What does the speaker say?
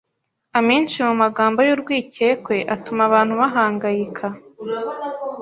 amenshi mu magambo y’urwikekwe atuma abantu bahangayika